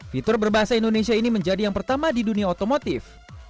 fitur berbahasa indonesia ini menjadi yang pertama di dunia otomotif